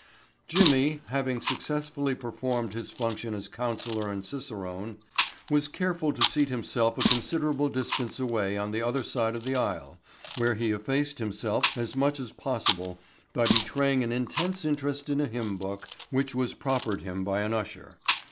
Jimmy, having successfully performed his function as counselor and cicerone, was careful to seat himself a considerable distance away on the other side of the aisle where he effaced himself as much as possible by betraying an intense interest in a hymn book which was proffered him by an usher.